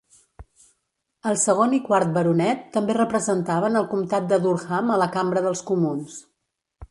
El segon i quart baronet també representaven el comtat de Durham a la Cambra dels Comuns.